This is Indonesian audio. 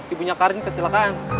ibunya karing kecelakaan